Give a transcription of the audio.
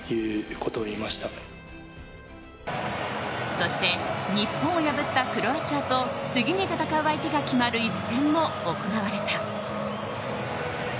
そして日本を破ったクロアチアと次に戦う相手が決まる一戦も行われた。